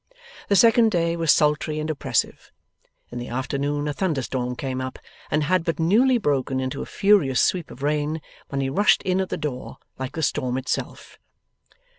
The second day was sultry and oppressive. In the afternoon, a thunderstorm came up, and had but newly broken into a furious sweep of rain when he rushed in at the door, like the storm itself.